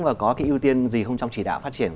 và có cái ưu tiên gì không trong chỉ đạo phát triển